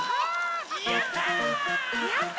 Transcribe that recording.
やった！